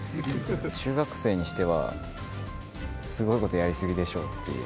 中学生にしては、すごいことやり過ぎでしょっていう。